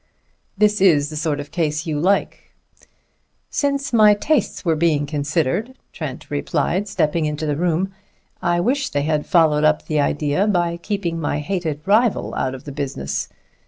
"This is the sort of case that you like." "Since my tastes were being considered," Trent replied, stepping into the room, "I wish they had followed up the idea by keeping my hated rival out of the business.